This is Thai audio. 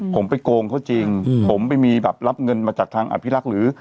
ผมไปโกงเขาจริงผมไปมีแบบรับเงินมาจากทางอภิรักษ์หรือ